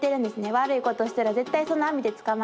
悪いことしたら絶対その網で捕まるっていう。